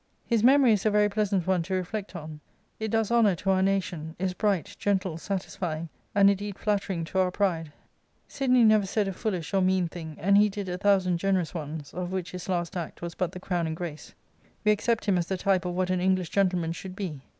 His memory is a very pleasant one to reflect on ; it does honour to our nation ; is bright, gentle, satisfying, and indeed flattering to our pride. Sidney never ( said a foolish or mean thing, and he did a thousand generous ones, of which his last act was but the crowning grace. We accept him as the type of what an English gentleman should be.